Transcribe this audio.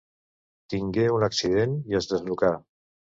Tingué un accident i es desnucà.